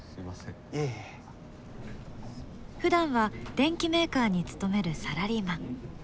ふだんは電機メーカーに勤めるサラリーマン。